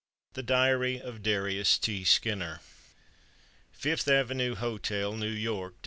The Diary of Darius T. Skinner "FIFTH AVENUE HOTEL, New York, Dec.